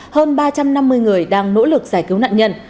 hơn ba trăm năm mươi người đang nỗ lực giải cứu nạn nhân